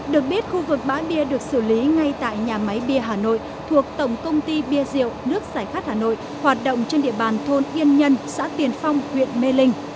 được biết khu vực bã bia được xử lý ngay tại nhà máy bia hà nội thuộc tổng công ty bia rượu nước giải khát hà nội hoạt động trên địa bàn thôn yên nhân xã tiền phong huyện mê linh